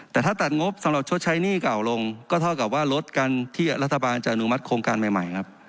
แต่ถ้าตัดงบสำหรับชดใช้หนี้เก่าลงก็เท่ากับว่าลดกันที่รัฐบาลจะอนุมัติโครงการใหม่ครับ